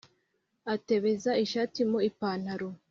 atebeza ishati mu ipantaro